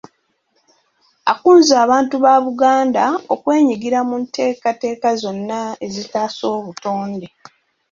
Akunze abantu ba Buganda okwenyigira mu nteekateeka zonna ezitaasa obutonde.